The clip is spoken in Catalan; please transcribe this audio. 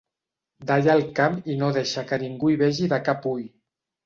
Dalla el camp i no deixa que ningú hi vegi de cap ull.